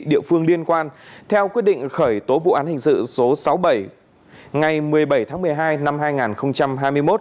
địa phương liên quan theo quyết định khởi tố vụ án hình sự số sáu mươi bảy ngày một mươi bảy tháng một mươi hai năm hai nghìn hai mươi một